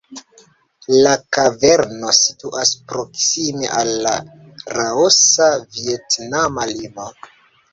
La kaverno situas proksime al la Laosa-Vjetnama limo.